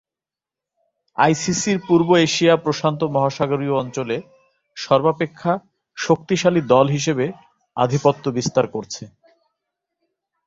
আইসিসি’র পূর্ব এশিয়া/প্রশান্ত মহাসাগরীয় অঞ্চলে সর্বাপেক্ষা শক্তিশালী দল হিসেবে আধিপত্য বিস্তার করছে।